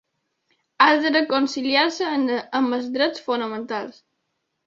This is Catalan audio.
Ha de reconciliar-se amb els drets fonamentals.